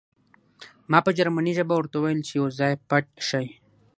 ما په جرمني ژبه ورته وویل چې یو ځای پټ شئ